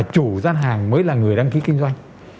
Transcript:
chủ gian hàng mới là người đăng ký kinh doanh